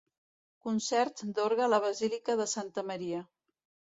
Concert d'orgue a la Basílica de Santa Maria.